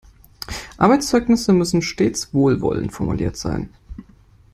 Arbeitszeugnisse müssen stets wohlwollend formuliert sein.